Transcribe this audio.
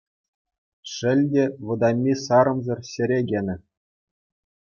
Шел те, вӑтамми сарӑмсӑр ҫӗре кӗнӗ.